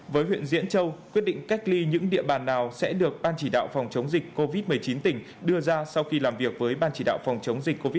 với huyện diễn châu quyết định cách ly những địa bàn nào sẽ được ban chỉ đạo phòng chống dịch covid một mươi chín tỉnh đưa ra sau khi làm việc với ban chỉ đạo phòng chống dịch covid một mươi chín